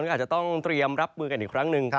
อาจจะต้องเตรียมรับมือกันอีกครั้งหนึ่ง